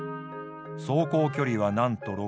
走行距離はなんと６５ｋｍ。